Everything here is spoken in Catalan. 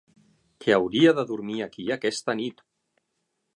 Que hauria de dormir aquí aquesta nit!